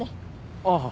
ああ。